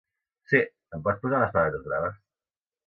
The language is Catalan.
Sí, em pots posar unes patates braves?